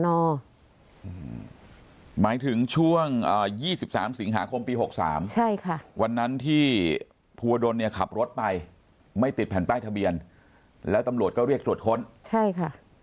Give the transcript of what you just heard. หมายถึงช่วง๒๓สิงหาคมปี๖๓ใช่ค่ะวันนั้นที่ภูวดลเนี่ยขับรถไปไม่ติดแผ่นป้ายทะเบียนแล้วตำรวจก็เรียกตรวจค้นใช่ค่ะ